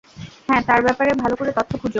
হ্যাঁ তার ব্যপারে ভালো করে তথ্য খুজো।